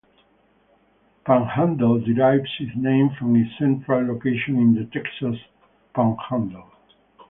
Panhandle derives its name from its central location in the Texas Panhandle.